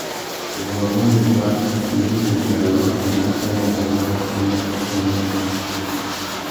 Ngu má mù réba, nnú mù udjana makana a yānamú wāssamba ukú râ manô matê.